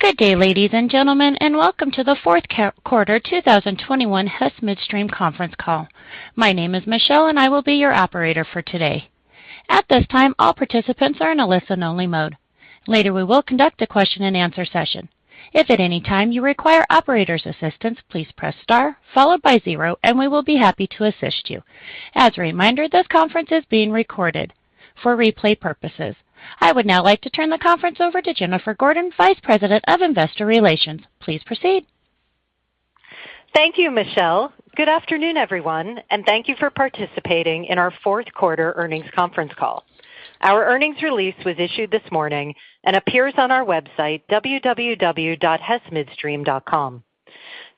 Good day, ladies and gentlemen, and welcome to the fourth quarter 2021 Hess Midstream conference call. My name is Michelle, and I will be your operator for today. At this time, all participants are in a listen-only mode. Later, we will conduct a question-and-answer session. If at any time you require operator's assistance, please press star followed by zero, and we will be happy to assist you. As a reminder, this conference is being recorded for replay purposes. I would now like to turn the conference over to Jennifer Gordon, Vice President of Investor Relations. Please proceed. Thank you, Michelle. Good afternoon, everyone, and thank you for participating in our fourth quarter earnings conference call. Our earnings release was issued this morning and appears on our website, www.hessmidstream.com.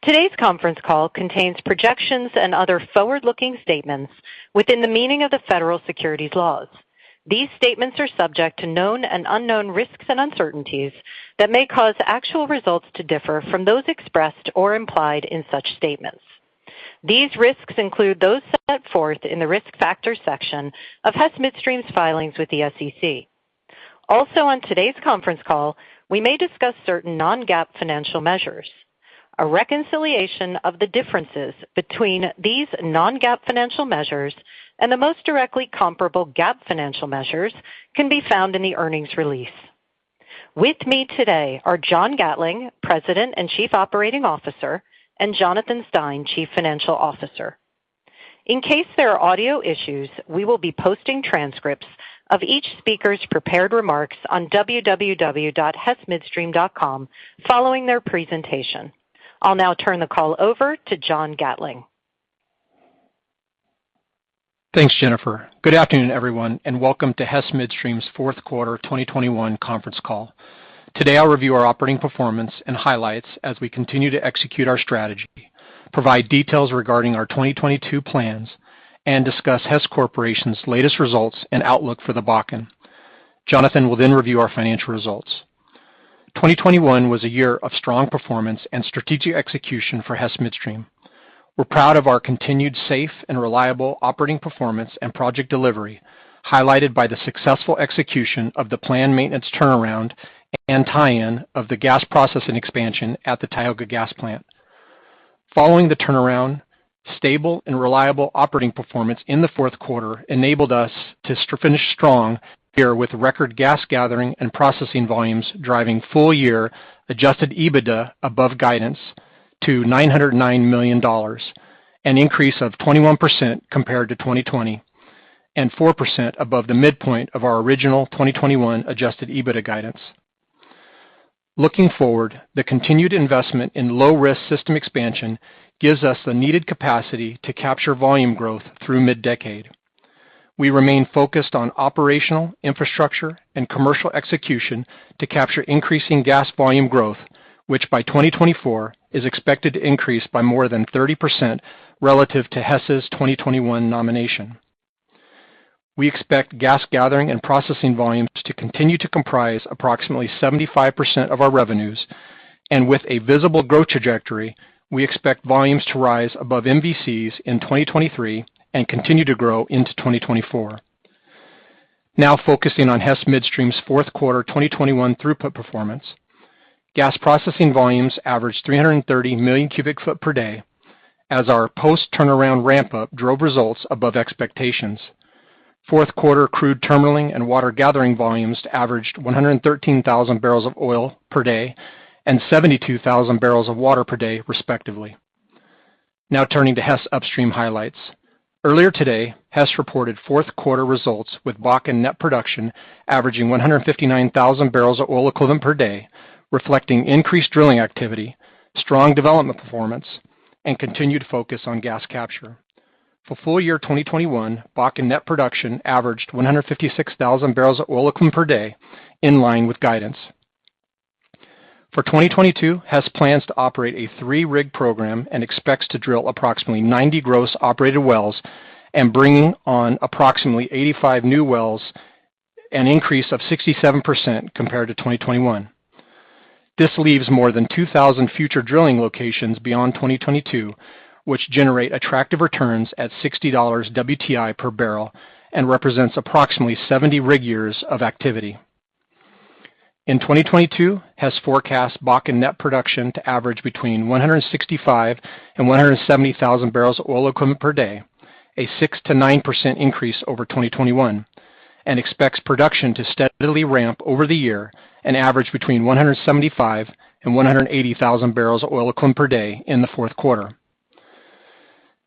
Today's conference call contains projections and other forward-looking statements within the meaning of the federal securities laws. These statements are subject to known and unknown risks and uncertainties that may cause actual results to differ from those expressed or implied in such statements. These risks include those set forth in the Risk Factors section of Hess Midstream's filings with the SEC. Also on today's conference call, we may discuss certain non-GAAP financial measures. A reconciliation of the differences between these non-GAAP financial measures and the most directly comparable GAAP financial measures can be found in the earnings release. With me today are John Gatling, President and Chief Operating Officer, and Jonathan Stein, Chief Financial Officer. In case there are audio issues, we will be posting transcripts of each speaker's prepared remarks on www.hessmidstream.com following their presentation. I'll now turn the call over to John Gatling. Thanks, Jennifer. Good afternoon, everyone, and welcome to Hess Midstream's fourth quarter 2021 conference call. Today, I'll review our operating performance and highlights as we continue to execute our strategy, provide details regarding our 2022 plans, and discuss Hess Corporation's latest results and outlook for the Bakken. Jonathan will then review our financial results. 2021 was a year of strong performance and strategic execution for Hess Midstream. We're proud of our continued safe and reliable operating performance and project delivery, highlighted by the successful execution of the planned maintenance turnaround and tie-in of the gas processing expansion at the Tioga Gas Plant. Following the turnaround, stable and reliable operating performance in the fourth quarter enabled us to finish strong here with record gas gathering and processing volumes, driving full-year adjusted EBITDA above guidance to $909 million, an increase of 21% compared to 2020 and 4% above the midpoint of our original 2021 adjusted EBITDA guidance. Looking forward, the continued investment in low-risk system expansion gives us the needed capacity to capture volume growth through mid-decade. We remain focused on operational, infrastructure, and commercial execution to capture increasing gas volume growth, which by 2024 is expected to increase by more than 30% relative to Hess's 2021 nomination. We expect gas gathering and processing volumes to continue to comprise approximately 75% of our revenues, and with a visible growth trajectory, we expect volumes to rise above MVCs in 2023 and continue to grow into 2024. Now focusing on Hess Midstream's fourth quarter 2021 throughput performance. Gas processing volumes averaged 330 million cubic feet per day as our post-turnaround ramp-up drove results above expectations. Fourth quarter crude terminaling and water gathering volumes averaged 113,000 barrels of oil per day and 72,000 barrels of water per day respectively. Now turning to Hess upstream highlights. Earlier today, Hess reported fourth quarter results with Bakken net production averaging 159,000 barrels of oil equivalent per day, reflecting increased drilling activity, strong development performance, and continued focus on gas capture. For full year 2021, Bakken net production averaged 156,000 barrels of oil equivalent per day, in line with guidance. For 2022, Hess plans to operate a three-rig program and expects to drill approximately 90 gross operated wells and bringing on approximately 85 new wells, an increase of 67% compared to 2021. This leaves more than 2,000 future drilling locations beyond 2022, which generate attractive returns at $60 WTI per barrel and represents approximately 70 rig years of activity. In 2022, Hess forecasts Bakken net production to average between 165,000 and 170,000 barrels of oil equivalent per day, a 6%-9% increase over 2021, and expects production to steadily ramp over the year to an average between 175,000 and 180,000 barrels of oil equivalent per day in the fourth quarter.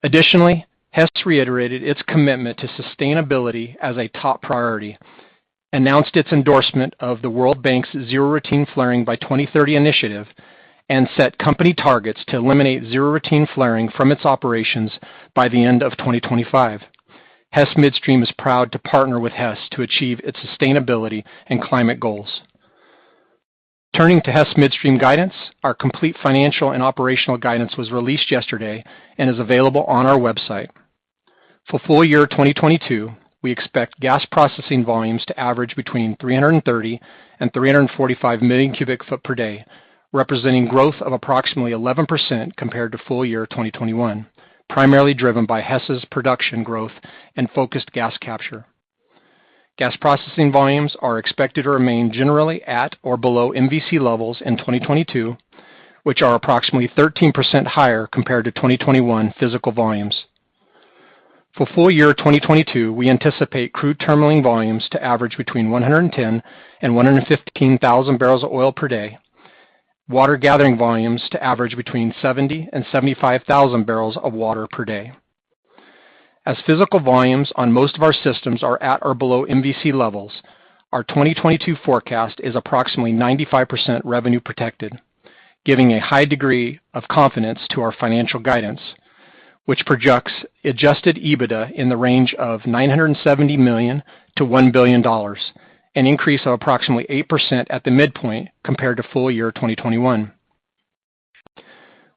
Additionally, Hess reiterated its commitment to sustainability as a top priority, announced its endorsement of the World Bank's Zero Routine Flaring by 2030 initiative, and set company targets to eliminate zero routine flaring from its operations by the end of 2025. Hess Midstream is proud to partner with Hess to achieve its sustainability and climate goals. Turning to Hess Midstream guidance. Our complete financial and operational guidance was released yesterday and is available on our website. For full year 2022, we expect gas processing volumes to average between 330 and 345 million cubic feet per day, representing growth of approximately 11% compared to full year 2021, primarily driven by Hess's production growth and focused gas capture. Gas processing volumes are expected to remain generally at or below MVC levels in 2022, which are approximately 13% higher compared to 2021 physical volumes. For full year 2022, we anticipate crude terminaling volumes to average between 110,000 and 115,000 barrels of oil per day. We anticipate water gathering volumes to average between 70,000 and 75,000 barrels of water per day. As physical volumes on most of our systems are at or below MVC levels, our 2022 forecast is approximately 95% revenue protected, giving a high degree of confidence to our financial guidance, which projects adjusted EBITDA in the range of $970 million-$1 billion, an increase of approximately 8% at the midpoint compared to full year 2021.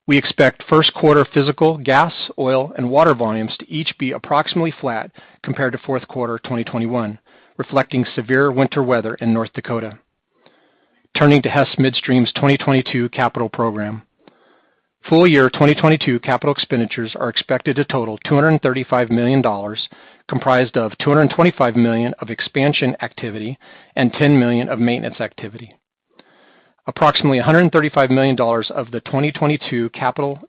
We expect first quarter physical gas, oil, and water volumes to each be approximately flat compared to fourth quarter 2021, reflecting severe winter weather in North Dakota. Turning to Hess Midstream's 2022 capital program. Full year 2022 capital expenditures are expected to total $235 million, comprised of $225 million of expansion activity and $10 million of maintenance activity. Approximately $135 million of the 2022 capital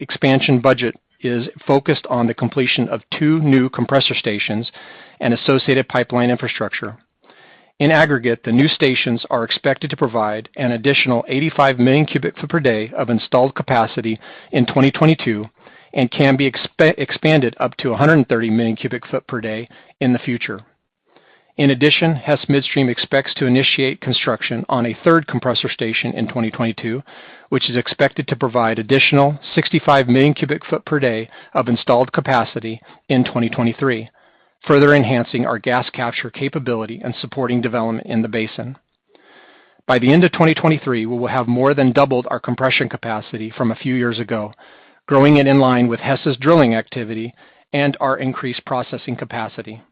expansion budget is focused on the completion of two new compressor stations and associated pipeline infrastructure. In aggregate, the new stations are expected to provide an additional 85 million cubic feet per day of installed capacity in 2022 and can be expanded up to 130 million cubic feet per day in the future. In addition, Hess Midstream expects to initiate construction on a third compressor station in 2022, which is expected to provide additional 65 million cubic feet per day of installed capacity in 2023, further enhancing our gas capture capability and supporting development in the basin. By the end of 2023, we will have more than doubled our compression capacity from a few years ago, growing it in line with Hess' drilling activity and our increased processing capacity.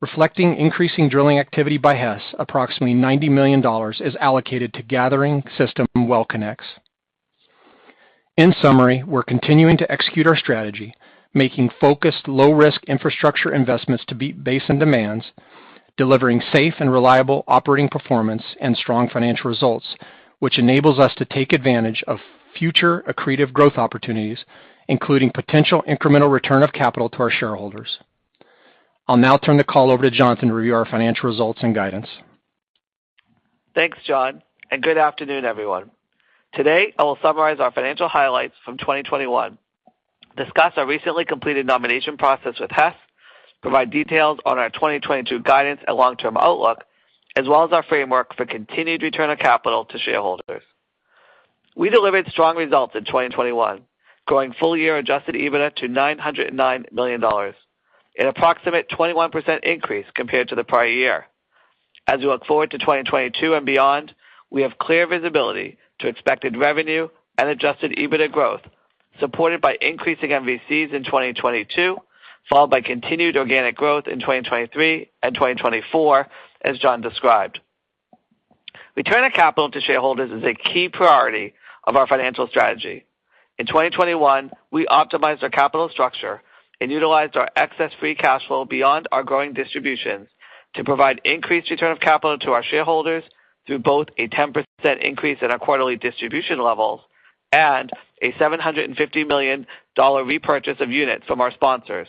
Reflecting increasing drilling activity by Hess, approximately $90 million is allocated to gathering system well connects. In summary, we're continuing to execute our strategy, making focused low risk infrastructure investments to meet basin demands, delivering safe and reliable operating performance and strong financial results, which enables us to take advantage of future accretive growth opportunities, including potential incremental return of capital to our shareholders. I'll now turn the call over to Jonathan to review our financial results and guidance. Thanks, John, and good afternoon, everyone. Today, I will summarize our financial highlights from 2021, discuss our recently completed nomination process with Hess, provide details on our 2022 guidance and long-term outlook, as well as our framework for continued return of capital to shareholders. We delivered strong results in 2021, growing full year adjusted EBITDA to $909 million, an approximate 21% increase compared to the prior year. As we look forward to 2022 and beyond, we have clear visibility to expected revenue and adjusted EBITDA growth, supported by increasing MVCs in 2022, followed by continued organic growth in 2023 and 2024, as John described. Return of capital to shareholders is a key priority of our financial strategy. In 2021, we optimized our capital structure and utilized our excess free cash flow beyond our growing distributions to provide increased return of capital to our shareholders through both a 10% increase in our quarterly distribution levels and a $750 million repurchase of units from our sponsors.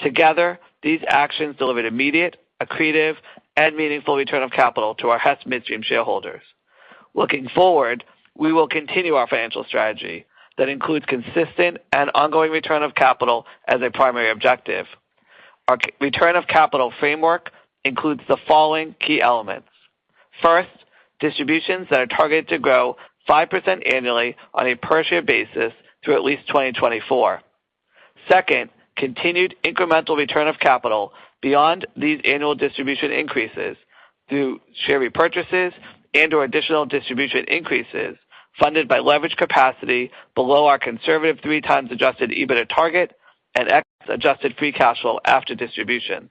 Together, these actions delivered immediate, accretive, and meaningful return of capital to our Hess Midstream shareholders. Looking forward, we will continue our financial strategy that includes consistent and ongoing return of capital as a primary objective. Our return of capital framework includes the following key elements. First, distributions that are targeted to grow 5% annually on a per share basis through at least 2024. Second, continued incremental return of capital beyond these annual distribution increases through share repurchases and/or additional distribution increases funded by leverage capacity below our conservative 3x adjusted EBITDA target with excess adjusted free cash flow after distribution.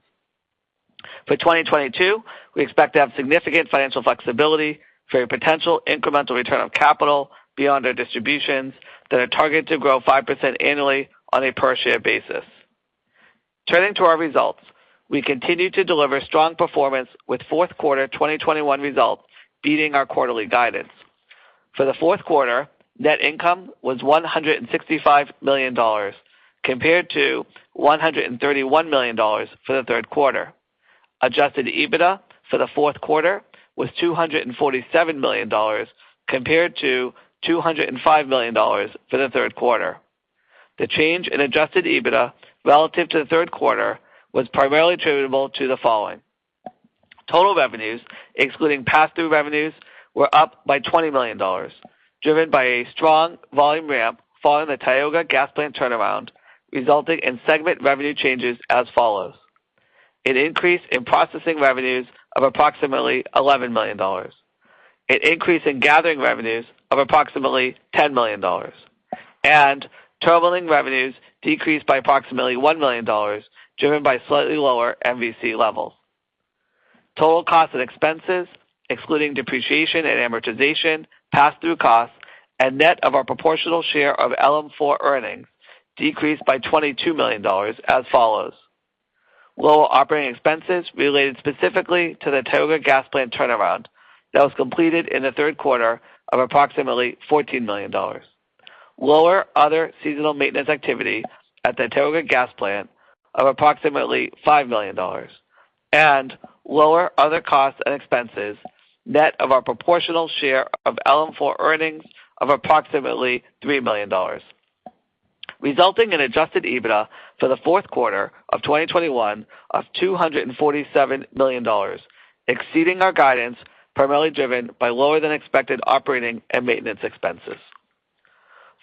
For 2022, we expect to have significant financial flexibility for a potential incremental return of capital beyond our distributions that are targeted to grow 5% annually on a per share basis. Turning to our results, we continued to deliver strong performance with fourth quarter 2021 results beating our quarterly guidance. For the fourth quarter, net income was $165 million compared to $131 million for the third quarter. Adjusted EBITDA for the fourth quarter was $247 million compared to $205 million for the third quarter. The change in adjusted EBITDA relative to the third quarter was primarily attributable to the following. Total revenues, excluding pass-through revenues, were up by $20 million, driven by a strong volume ramp following the Tioga Gas Plant turnaround, resulting in segment revenue changes as follows. An increase in processing revenues of approximately $11 million. An increase in gathering revenues of approximately $10 million. Terminaling revenues decreased by approximately $1 million, driven by slightly lower MVC levels. Total cost and expenses, excluding depreciation and amortization, pass-through costs, and net of our proportional share of LM4 earnings decreased by $22 million as follows. Lower operating expenses related specifically to the Tioga Gas Plant turnaround that was completed in the third quarter of approximately $14 million. Lower other seasonal maintenance activity at the Tioga Gas Plant of approximately $5 million and lower other costs and expenses net of our proportional share of LM4 earnings of approximately $3 million, resulting in adjusted EBITDA for the fourth quarter of 2021 of $247 million, exceeding our guidance, primarily driven by lower than expected operating and maintenance expenses.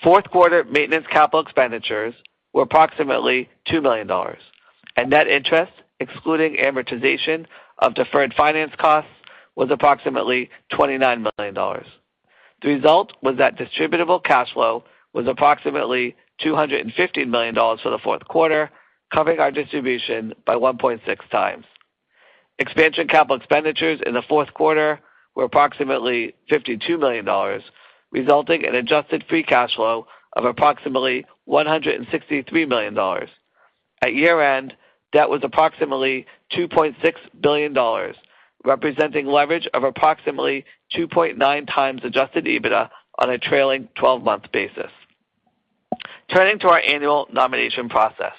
Fourth quarter maintenance capital expenditures were approximately $2 million, and net interest, excluding amortization of deferred finance costs, was approximately $29 million. The result was that distributable cash flow was approximately $215 million for the fourth quarter, covering our distribution by 1.6 times. Expansion capital expenditures in the fourth quarter were approximately $52 million, resulting in adjusted free cash flow of approximately $163 million. At year-end, debt was approximately $2.6 billion, representing leverage of approximately 2.9 times adjusted EBITDA on a trailing twelve-month basis. Turning to our annual nomination process.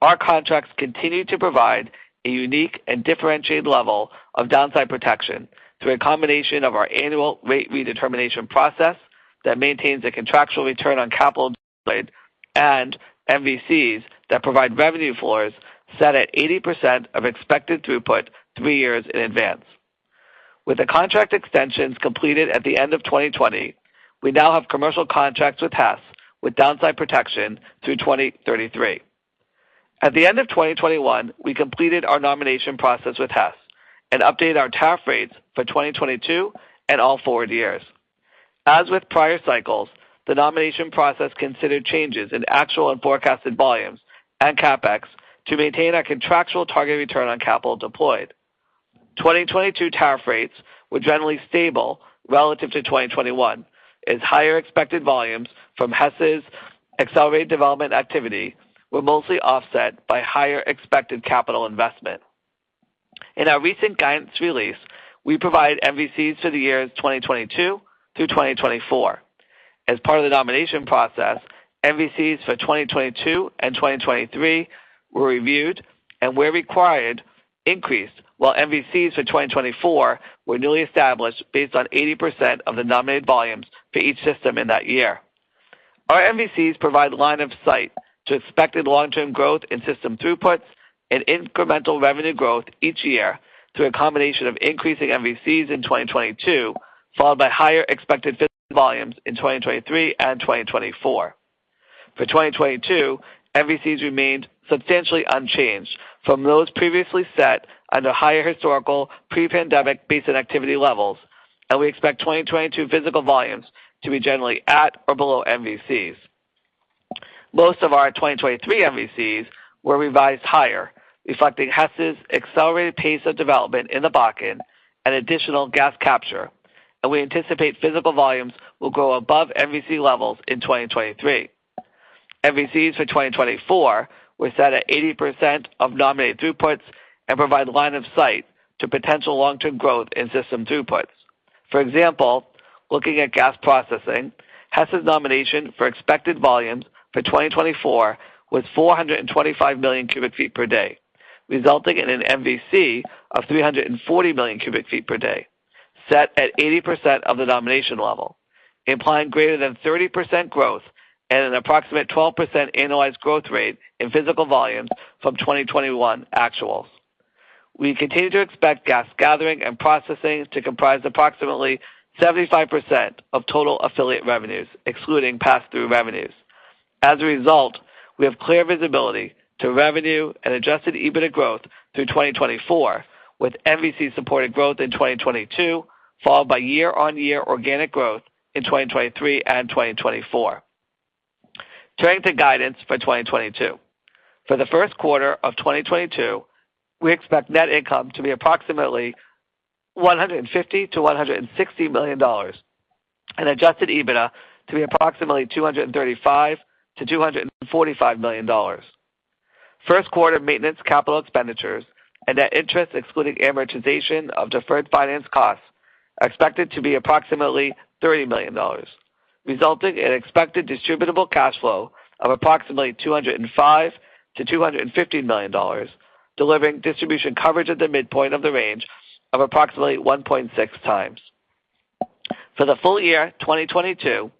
Our contracts continue to provide a unique and differentiated level of downside protection through a combination of our annual rate redetermination process that maintains a contractual return on capital deployed and MVCs that provide revenue floors set at 80% of expected throughput three years in advance. With the contract extensions completed at the end of 2020, we now have commercial contracts with Hess with downside protection through 2033. At the end of 2021, we completed our nomination process with Hess and updated our tariff rates for 2022 and all forward years. As with prior cycles, the nomination process considered changes in actual and forecasted volumes and CapEx to maintain our contractual target return on capital deployed. 2022 tariff rates were generally stable relative to 2021 as higher expected volumes from Hess's accelerated development activity were mostly offset by higher expected capital investment. In our recent guidance release, we provide MVCs for the years 2022 through 2024. As part of the nomination process, MVCs for 2022 and 2023 were reviewed and where required increased, while MVCs for 2024 were newly established based on 80% of the nominated volumes for each system in that year. Our MVCs provide line of sight to expected long-term growth in system throughputs and incremental revenue growth each year through a combination of increasing MVCs in 2022, followed by higher expected physical volumes in 2023 and 2024. For 2022, MVCs remained substantially unchanged from those previously set under higher historical pre-pandemic basin activity levels, and we expect 2022 physical volumes to be generally at or below MVCs. Most of our 2023 MVCs were revised higher, reflecting Hess's accelerated pace of development in the Bakken and additional gas capture, and we anticipate physical volumes will grow above MVC levels in 2023. MVCs for 2024 were set at 80% of nominated throughputs and provide line of sight to potential long-term growth in system throughputs. For example, looking at gas processing, Hess's nomination for expected volumes for 2024 was 425 million cubic feet per day, resulting in an MVC of 340 million cubic feet per day, set at 80% of the nomination level, implying greater than 30% growth and an approximate 12% annualized growth rate in physical volumes from 2021 actuals. We continue to expect gas gathering and processing to comprise approximately 75% of total affiliate revenues, excluding pass-through revenues. As a result, we have clear visibility to revenue and adjusted EBITDA growth through 2024, with MVC-supported growth in 2022, followed by year-on-year organic growth in 2023 and 2024. Turning to guidance for 2022. For the first quarter of 2022, we expect net income to be approximately $150 million-$160 million and adjusted EBITDA to be approximately $235 million-$245 million. First quarter maintenance capital expenditures and net interest, excluding amortization of deferred finance costs, are expected to be approximately $30 million, resulting in expected distributable cash flow of approximately $205 million-$250 million, delivering distribution coverage at the midpoint of the range of approximately 1.6 times. For the full year 2022,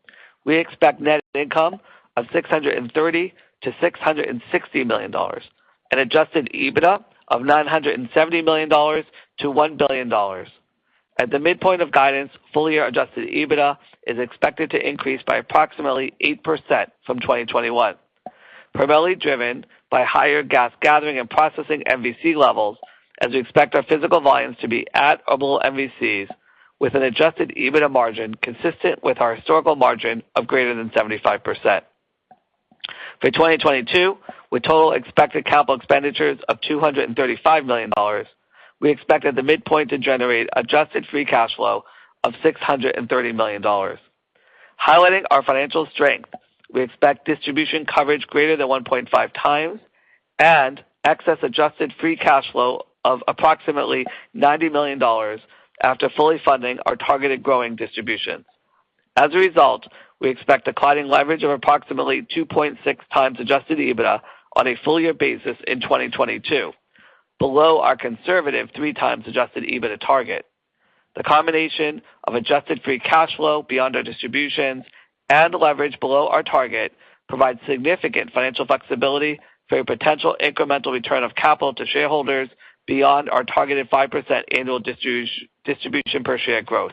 we expect net income of $630 million-$660 million and adjusted EBITDA of $970 million-$1 billion. At the midpoint of guidance, full year Adjusted EBITDA is expected to increase by approximately 8% from 2021, primarily driven by higher gas gathering and processing MVC levels as we expect our physical volumes to be at or below MVCs with an Adjusted EBITDA margin consistent with our historical margin of greater than 75%. For 2022, with total expected capital expenditures of $235 million, we expect at the midpoint to generate Adjusted Free Cash Flow of $630 million. Highlighting our financial strength, we expect distribution coverage greater than 1.5 times and excess Adjusted Free Cash Flow of approximately $90 million after fully funding our targeted growing distributions. As a result, we expect a closing leverage of approximately 2.6x adjusted EBITDA on a full year basis in 2022, below our conservative 3x adjusted EBITDA target. The combination of adjusted free cash flow beyond our distributions and leverage below our target provides significant financial flexibility for a potential incremental return of capital to shareholders beyond our targeted 5% annual distribution per share growth.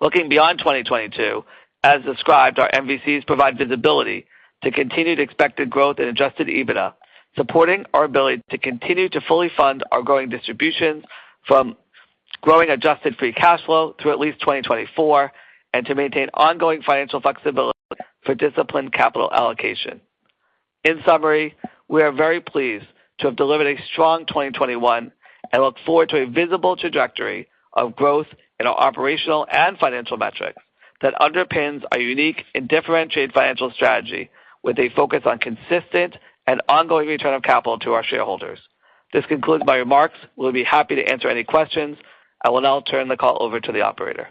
Looking beyond 2022, as described, our MVCs provide visibility to continued expected growth in adjusted EBITDA, supporting our ability to continue to fully fund our growing distributions from growing adjusted free cash flow through at least 2024 and to maintain ongoing financial flexibility for disciplined capital allocation. In summary, we are very pleased to have delivered a strong 2021 and look forward to a visible trajectory of growth in our operational and financial metrics that underpins our unique and differentiated financial strategy with a focus on consistent and ongoing return of capital to our shareholders. This concludes my remarks. We'll be happy to answer any questions. I will now turn the call over to the operator.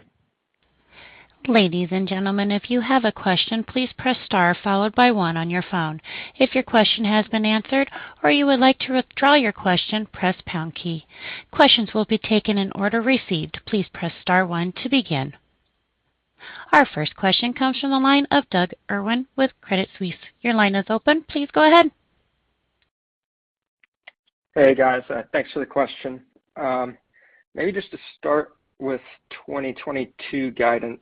Ladies and gentlemen, if you have a question, please press star followed by one on your phone. If your question has been answered or you would like to withdraw your question, press pound key. Questions will be taken in order received. Please press star one to begin. Our first question comes from the line of Doug Irwin with Credit Suisse. Your line is open. Please go ahead. Hey, guys. Thanks for the question. Maybe just to start with 2022 guidance,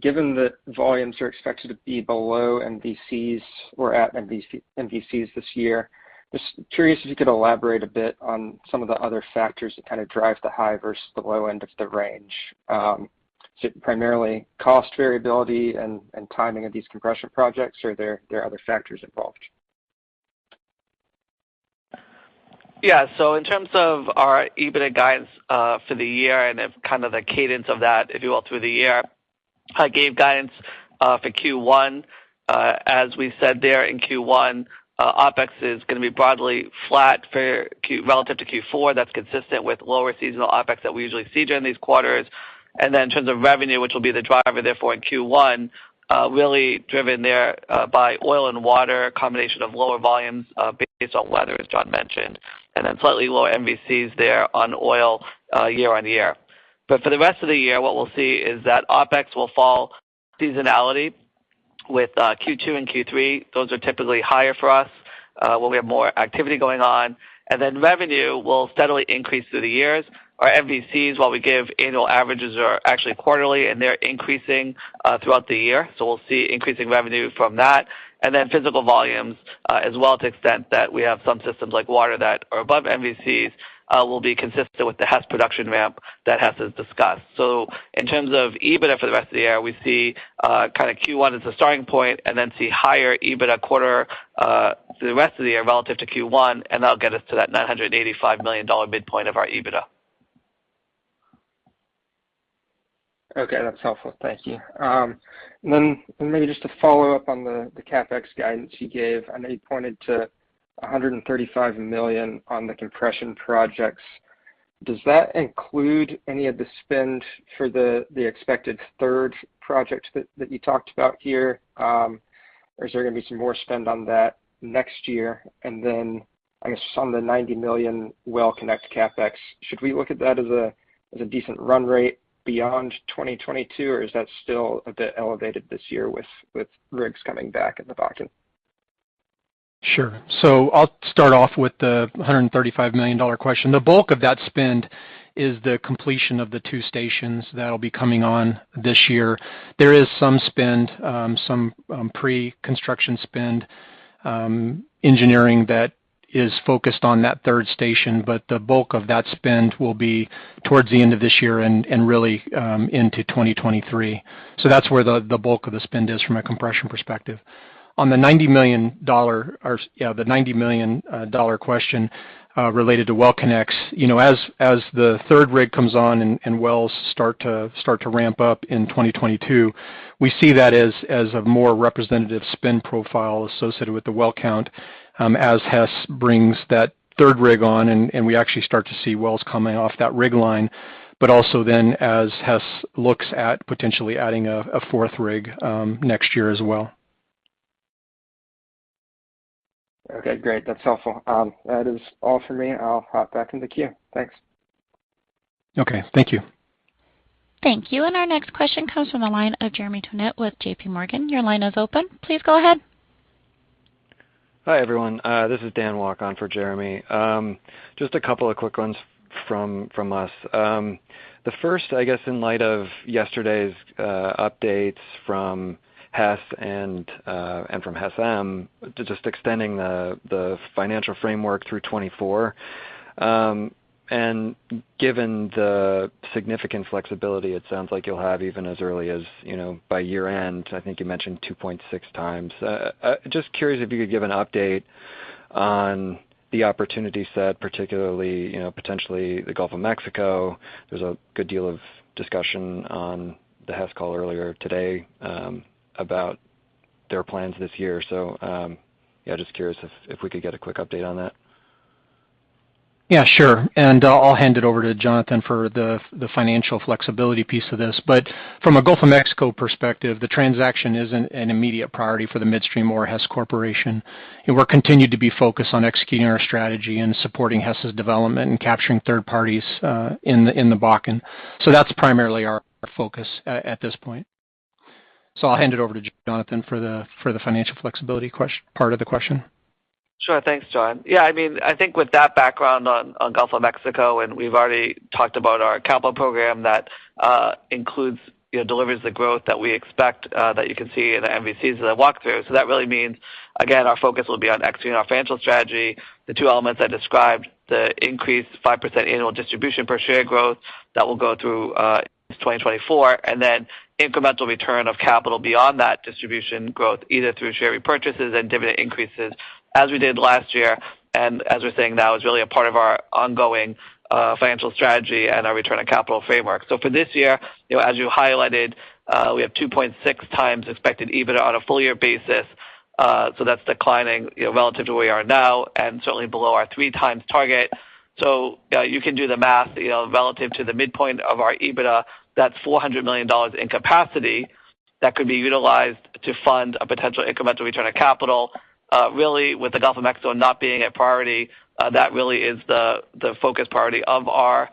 given the volumes are expected to be below MVCs or at MVCs this year, just curious if you could elaborate a bit on some of the other factors that kind of drive the high versus the low end of the range. Is it primarily cost variability and timing of these compression projects, or there are other factors involved? Yeah. In terms of our EBITDA guidance for the year and then kind of the cadence of that, if you will, through the year, I gave guidance for Q1. As we said there in Q1, OpEx is gonna be broadly flat relative to Q4. That's consistent with lower seasonal OpEx that we usually see during these quarters. Then in terms of revenue, which will be the driver therefore in Q1, really driven there by oil and water, a combination of lower volumes based on weather, as John mentioned, and then slightly lower MVCs there on oil year-on-year. For the rest of the year, what we'll see is that OpEx will follow seasonality with Q2 and Q3. Those are typically higher for us where we have more activity going on. Then revenue will steadily increase through the years. Our MVCs, while we give annual averages, are actually quarterly, and they're increasing throughout the year. We'll see increasing revenue from that. Physical volumes, as well to the extent that we have some systems like water that are above MVCs, will be consistent with the Hess production ramp that Hess has discussed. In terms of EBITDA for the rest of the year, we see kinda Q1 as a starting point and then see higher EBITDA quarter through the rest of the year relative to Q1, and that'll get us to that $985 million midpoint of our EBITDA. Okay, that's helpful. Thank you. Maybe just to follow up on the CapEx guidance you gave. I know you pointed to $135 million on the compression projects. Does that include any of the spend for the expected third project that you talked about here? Is there gonna be some more spend on that next year? I guess on the $90 million well connect CapEx, should we look at that as a decent run rate beyond 2022, or is that still a bit elevated this year with rigs coming back in the Bakken? Sure. I'll start off with the $135 million question. The bulk of that spend is the completion of the 2 stations that'll be coming on this year. There is some pre-construction spend, engineering that is focused on that third station, but the bulk of that spend will be towards the end of this year and really into 2023. That's where the bulk of the spend is from a compression perspective. On the $90 million dollar question related to well connects. You know, as the third rig comes on and wells start to ramp up in 2022, we see that as a more representative spend profile associated with the well count, as Hess brings that third rig on and we actually start to see wells coming off that rig line, but also then as Hess looks at potentially adding a fourth rig next year as well. Okay, great. That's helpful. That is all for me. I'll hop back in the queue. Thanks. Okay. Thank you. Thank you. Our next question comes from the line of Jeremy Tonet with JPMorgan. Your line is open. Please go ahead. Hi, everyone. This is Dan Walk on for Jeremy. Just a couple of quick ones from us. The first, I guess in light of yesterday's updates from Hess and from Hess Midstream to just extending the financial framework through 2024. Given the significant flexibility, it sounds like you'll have even as early as, you know, by year-end, I think you mentioned 2.6 times. Just curious if you could give an update on the opportunity set, particularly, you know, potentially the Gulf of Mexico. There's a good deal of discussion on the Hess call earlier today about their plans this year. Yeah, just curious if we could get a quick update on that. Yeah, sure. I'll hand it over to Jonathan for the financial flexibility piece of this. From a Gulf of Mexico perspective, the transaction isn't an immediate priority for the midstream or Hess Corporation. We continue to be focused on executing our strategy and supporting Hess's development and capturing third parties in the Bakken. That's primarily our focus at this point. I'll hand it over to Jonathan for the financial flexibility part of the question. Sure. Thanks, John. Yeah, I mean, I think with that background on Gulf of Mexico, and we've already talked about our capital program that includes, you know, delivers the growth that we expect that you can see in the MVCs that I walked through. That really means, again, our focus will be on executing our financial strategy. The two elements I described, the increased 5% annual distribution per share growth that will go through 2024, and then incremental return of capital beyond that distribution growth, either through share repurchases and dividend increases as we did last year. As we're saying now is really a part of our ongoing financial strategy and our return on capital framework. For this year, you know, as you highlighted, we have 2.6x expected EBITDA on a full year basis. That's declining, you know, relative to where we are now and certainly below our 3x target. You can do the math, you know, relative to the midpoint of our EBITDA. That's $400 million in capacity that could be utilized to fund a potential incremental return of capital. Really, with the Gulf of Mexico not being a priority, that really is the focus priority of our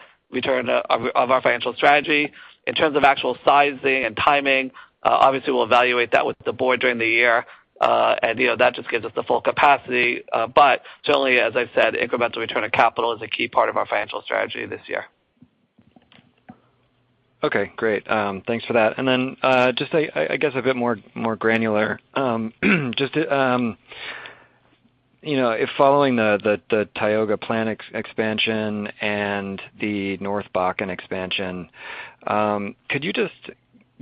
financial strategy. In terms of actual sizing and timing, obviously, we'll evaluate that with the board during the year, and, you know, that just gives us the full capacity. Certainly, as I said, incremental return of capital is a key part of our financial strategy this year. Okay, great. Thanks for that. Just, I guess, a bit more granular. Just to, you know, if following the Tioga plant expansion and the North Bakken expansion, could you just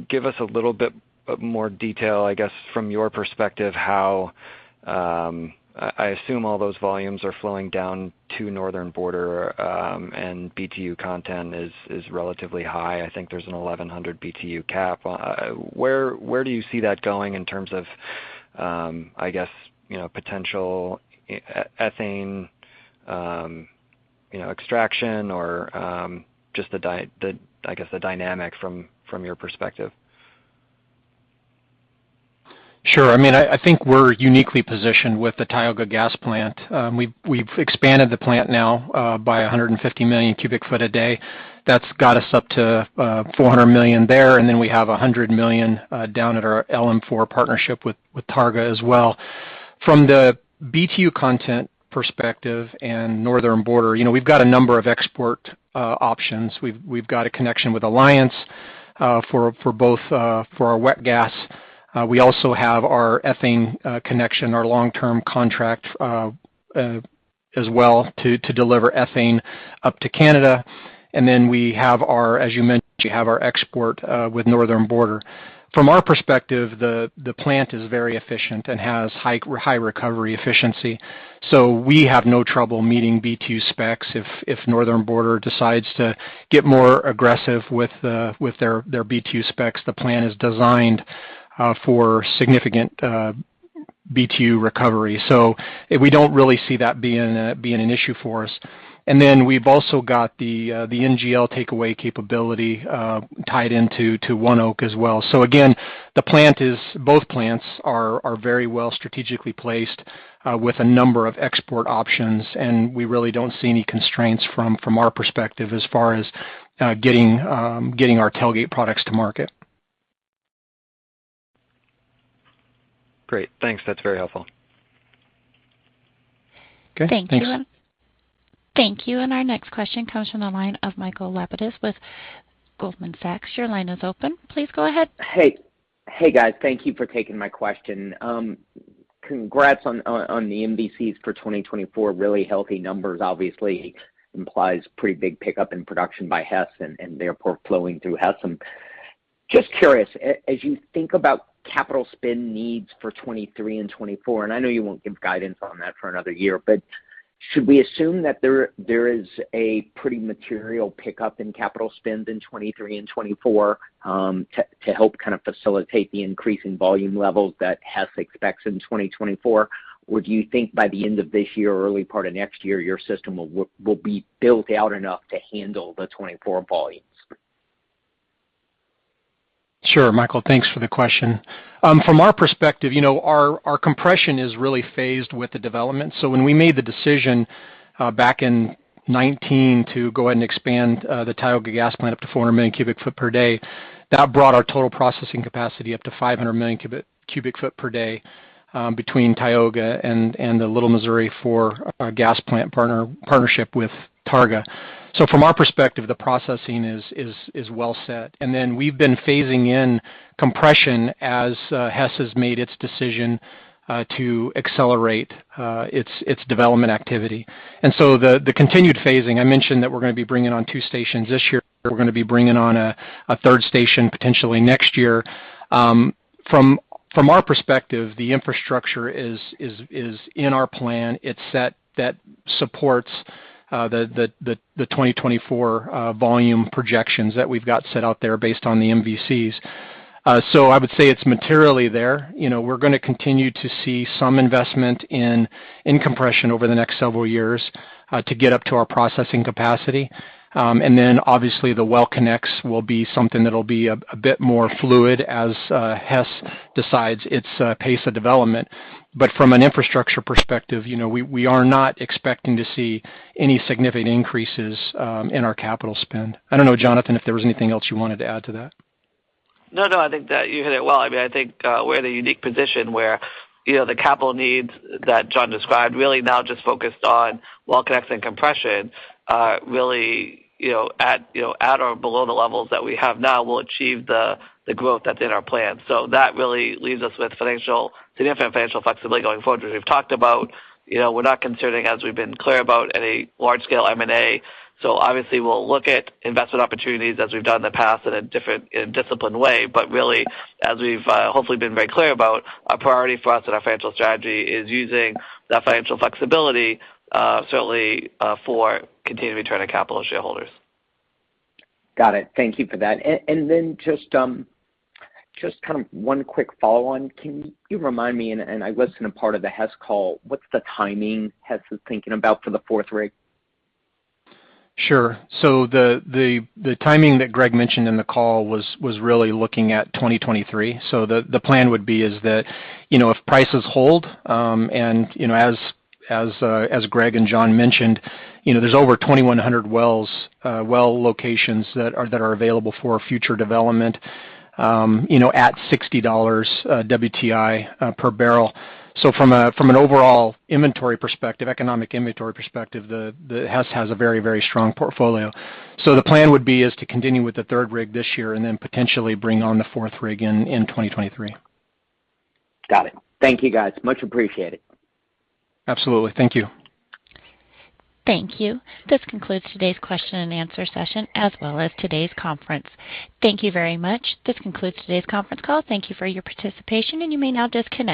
give us a little bit more detail, I guess, from your perspective, how I assume all those volumes are flowing down to Northern Border, and BTU content is relatively high. I think there's a 1,100 BTU cap. Where do you see that going in terms of, I guess, you know, potential ethane, you know, extraction or just the dynamic from your perspective? Sure. I mean, I think we're uniquely positioned with the Tioga Gas Plant. We've expanded the plant now by 150 million cubic feet a day. That's got us up to 400 million there, and then we have 100 million down at our LM4 partnership with Targa as well. From the BTU content perspective and Northern Border, you know, we've got a number of export options. We've got a connection with Alliance for both our wet gas. We also have our ethane connection, our long-term contract as well to deliver ethane up to Canada. Then, as you mentioned, we have our export with Northern Border. From our perspective, the plant is very efficient and has high recovery efficiency. We have no trouble meeting BTU specs. If Northern Border decides to get more aggressive with their BTU specs, the plant is designed for significant BTU recovery. We don't really see that being an issue for us. We've also got the NGL takeaway capability tied into ONEOK as well. Again, both plants are very well strategically placed with a number of export options, and we really don't see any constraints from our perspective as far as getting our tailgate products to market. Great. Thanks. That's very helpful. Okay, thanks. Thank you. Our next question comes from the line of Michael Lapides with Goldman Sachs. Your line is open. Please go ahead. Hey. Hey, guys. Thank you for taking my question. Congrats on the MVCs for 2024. Really healthy numbers obviously implies pretty big pickup in production by Hess and therefore flowing through Hess. Just curious, as you think about capital spend needs for 2023 and 2024, and I know you won't give guidance on that for another year, but should we assume that there is a pretty material pickup in capital spend in 2023 and 2024, to help kind of facilitate the increase in volume levels that Hess expects in 2024? Or do you think by the end of this year or early part of next year, your system will be built out enough to handle the 2024 volumes? Sure. Michael, thanks for the question. From our perspective, you know, our compression is really phased with the development. When we made the decision back in 2019 to go ahead and expand the Tioga Gas Plant up to 400 million cubic feet per day, that brought our total processing capacity up to 500 million cubic feet per day between Tioga and the Little Missouri for our gas plant partnership with Targa. From our perspective, the processing is well set. We've been phasing in compression as Hess has made its decision to accelerate its development activity. The continued phasing, I mentioned that we're gonna be bringing on two stations this year. We're gonna be bringing on a third station potentially next year. From our perspective, the infrastructure is in our plan. It's set that supports the 2024 volume projections that we've got set out there based on the MVCs. I would say it's materially there. You know, we're gonna continue to see some investment in compression over the next several years to get up to our processing capacity. Then obviously the well connects will be something that'll be a bit more fluid as Hess decides its pace of development. From an infrastructure perspective, you know, we are not expecting to see any significant increases in our capital spend. I don't know, Jonathan, if there was anything else you wanted to add to that. No, no, I think that you hit it well. I mean, I think we're in a unique position where, you know, the capital needs that John described really now just focused on well connects and compression, really, you know, at or below the levels that we have now will achieve the growth that's in our plan. That really leaves us with significant financial flexibility going forward, which we've talked about. You know, we're not considering, as we've been clear about, any large scale M&A. Obviously we'll look at investment opportunities as we've done in the past in a different and disciplined way. Really, as we've hopefully been very clear about, our priority for us and our financial strategy is using that financial flexibility, certainly, for continued return of capital to shareholders. Got it. Thank you for that. Just kind of one quick follow on. Can you remind me, and I listened to part of the Hess call, what's the timing Hess is thinking about for the fourth rig? Sure. The timing that Greg mentioned in the call was really looking at 2023. The plan would be is that, you know, if prices hold, and, you know, as, as Greg and John mentioned, you know, there's over 2,100 wells, well locations that are, that are available for future development, you know, at $60 WTI per barrel. From an overall inventory perspective, economic inventory perspective, the Hess has a very strong portfolio. The plan would be is to continue with the third rig this year and then potentially bring on the fourth rig in 2023. Got it. Thank you, guys. Much appreciated. Absolutely. Thank you. Thank you. This concludes today's question and answer session, as well as today's conference. Thank you very much. This concludes today's conference call. Thank you for your participation, and you may now disconnect.